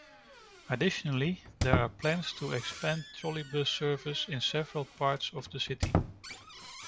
Additionally, there are plans to expand trolleybus service in several parts of the city.